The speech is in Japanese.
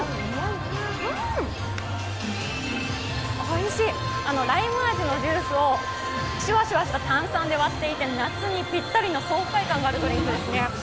おいしい、ライム味のジュースをシュワシュワした炭酸で割っていて、夏にぴったりの爽快感のあるドリンクですね。